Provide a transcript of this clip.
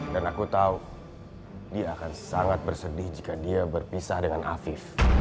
dan aku tahu dia akan sangat bersedih jika dia berpisah dengan afif